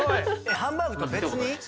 ハンバーグと別に？